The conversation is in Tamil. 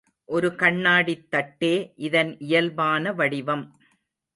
ஒரு கண்ணாடித் தட்டே இதன் இயல்பான வடிவம்.